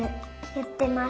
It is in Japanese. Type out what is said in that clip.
やってます。